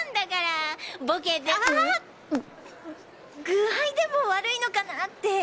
具合でも悪いのかなって。